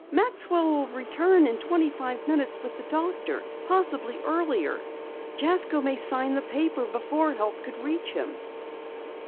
"Maxwell will return in twenty five minutes with the doctor, possibly earlier. Jasko may sign the paper before help could reach him."